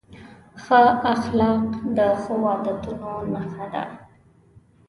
ښه اخلاق د ښو عادتونو نښه ده.